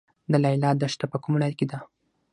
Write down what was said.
د لیلی دښته په کوم ولایت کې ده؟